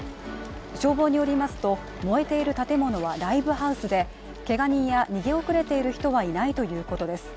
消防によりますと、燃えている建物はライブハウスでけが人や逃げ遅れている人はいないということです。